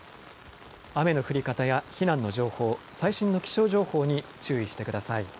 雨の降り方や避難の情報、最新の気象情報に注意してください。